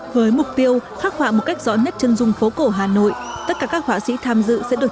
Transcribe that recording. với mục tiêu khắc họa một cách rõ nhất chân dung phố cổ hà nội tất cả các họa sĩ tham dự sẽ được